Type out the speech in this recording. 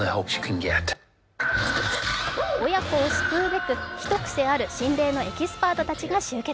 親子を救うべく一癖ある心霊のエキスパートたちが集結。